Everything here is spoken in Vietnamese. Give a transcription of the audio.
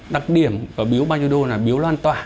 đặc điểm của biếu bajedo là biếu loan tỏa di động